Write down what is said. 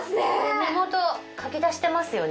根元かき出してますよね。